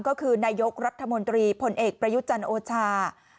ก็คือนายกรัฐมนตรีพลเอกประยุจันทร์โอชา